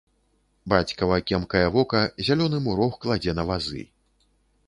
Бацькава кемкае вока зялёны мурог кладзе на вазы.